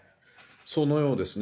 そのようですね。